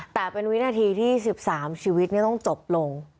แต่เป็นวินาทีที่๑๓ชีวิตต้องจบลง